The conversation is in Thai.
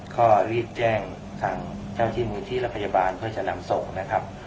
ก็รีบแจ้งทางเจ้าที่มูลที่และพยาบาลเพื่อจะนำส่งนะครับ